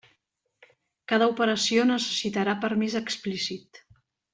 Cada operació necessitarà permís explícit.